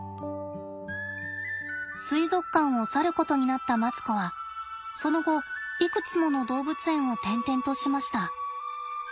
水族館を去ることになったマツコはその後いくつもの動物園を転々としました。